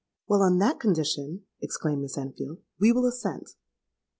'—'Well, on that condition,' exclaimed Miss Enfield, 'we will assent.'